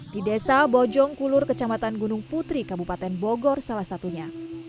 di desa bojong kulur kecamatan gunung putri kabupaten bogor salah satunya